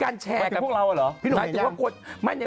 เขาเห็นดิ